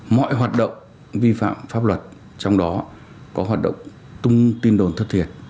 mọi hoạt động vi phạm pháp luật trong đó có hoạt động tin đồn thất thiệt